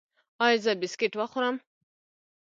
ایا زه بسکټ وخورم؟